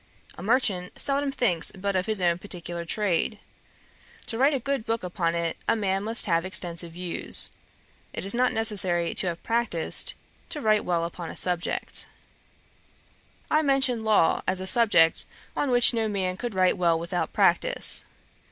A merchant seldom thinks but of his own particular trade. To write a good book upon it, a man must have extensive views. It is not necessary to have practised, to write well upon a subject.' I mentioned law as a subject on which no man could write well without practice.